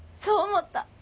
そう思った。